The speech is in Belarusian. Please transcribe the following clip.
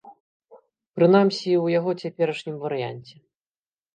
Прынамсі ў яго цяперашнім варыянце.